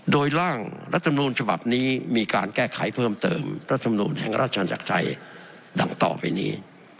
โดยร่างรัฐมนูลฉบับนี้มีการแก้ไขเพิ่มเติมรัฐธรรมนูลแห่งราชนาจักรไทยดังต่อไปนี้